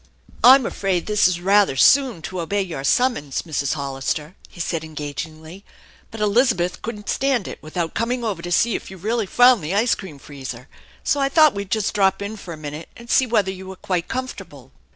" I'm afraid this is rather soon to obey your summons, Mrs. Hollister," he said engagingly, " but Elizabeth couldn't stand it without coming over to see if you really found the ice cream freezer, so I thought we'd just drop in for a minute and see whether you were quite comfortable."